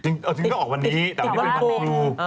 จริงเอาถึงต้องออกวันนี้แต่ว่านี้เป็นวันครู